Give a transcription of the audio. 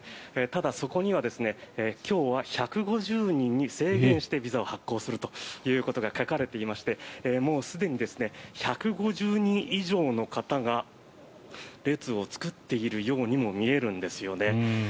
ただ、そこには今日は１５０人に制限してビザを発行するということが書かれていましてもうすでに１５０人以上の方が列を作っているようにも見えるんですよね。